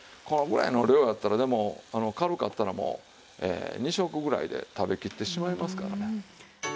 このぐらいの量やったらでも軽かったらもう２食ぐらいで食べきってしまいますからね。